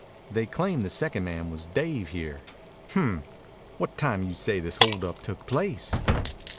"They claim the second man was Dave here." "Hmp! What time d'you say this hold up took place?"